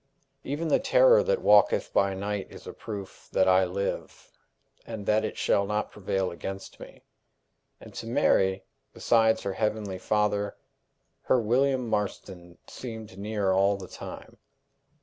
Even the terror that walketh by night is a proof that I live, and that it shall not prevail against me. And to Mary, besides her heavenly Father, her William Marston seemed near all the time.